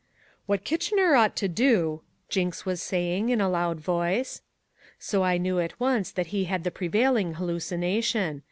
"What Kitchener ought to do," Jinks was saying in a loud voice. So I knew at once that he had the prevailing hallucination.